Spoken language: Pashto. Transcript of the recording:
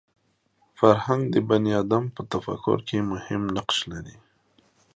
فرهنګ د بني ادم په تفکر کې مهم نقش لري